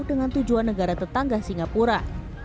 dengan tujuan negara tetangga singapura